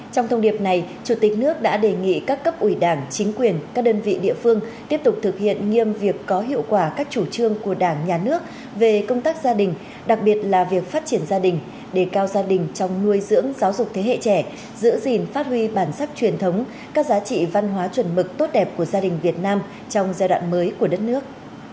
trong thông điệp này chủ tịch nước đã đề nghị các cấp ủy đảng chính quyền các đơn vị địa phương tiếp tục thực hiện nghiêm việc có hiệu quả các chủ trương của đảng nhà nước về công tác gia đình đặc biệt là việc phát triển gia đình để cao gia đình trong nuôi dưỡng giáo dục thế hệ trẻ giữ gìn phát huy bản sắc truyền thống các giá trị văn hóa chuẩn mực tốt đẹp của gia đình việt nam trong giai đoạn mới của đất nước